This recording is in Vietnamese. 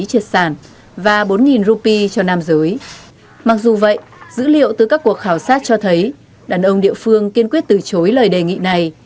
tổ chức các cuộc khảo sát cho thấy đàn ông địa phương kiên quyết từ chối lời đề nghị này